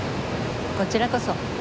こちらこそ。